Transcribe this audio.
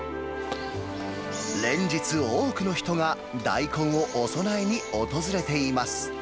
連日、多くの人が大根をお供えに訪れています。